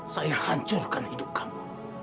saya hancurkan hidup kamu